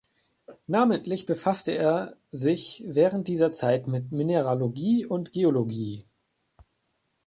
Namentlich befasste er sich während dieser Zeit mit Mineralogie und Geologie.